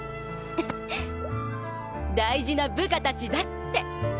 大事な部下たちだって！